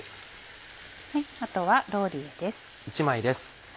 あとはローリエです。